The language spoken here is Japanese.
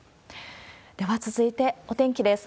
では続いて、お天気です。